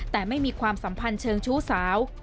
แต่ไม่มีความสัมพันธ์เชิงชู้สาว